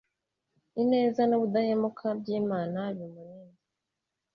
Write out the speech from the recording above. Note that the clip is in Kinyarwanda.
ineza n'ubudahemuka by'imana bimurinde